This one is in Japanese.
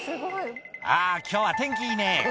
「あぁ今日は天気いいね」